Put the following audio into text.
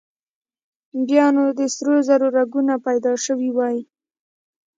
بيا نو د سرو زرو رګونه پيدا شوي وای.